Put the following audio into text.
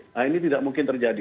nah ini tidak mungkin terjadi